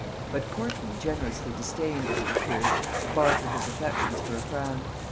But Courtney generously disdained, as it appears, to barter his affections for a crown.